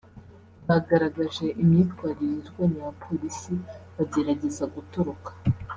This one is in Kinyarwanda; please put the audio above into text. bagaragaje imyitwarire irwanya abapolisi bagerageza gutoroka